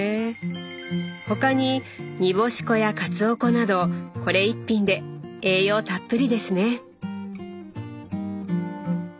他に煮干し粉やかつお粉などこれ１品で栄養たっぷりですね！